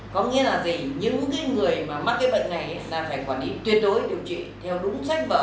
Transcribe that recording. có nghĩa là gì những người mà mắc cái bệnh này sẽ phải quản lý tuyệt đối điều trị theo đúng sách vở